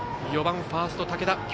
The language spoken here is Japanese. ４番ファースト武田。